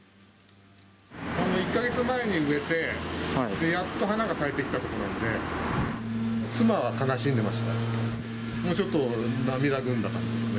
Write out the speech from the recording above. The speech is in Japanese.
１か月前に植えて、やっと花が咲いてきたところだったので、妻は悲しんでましたね。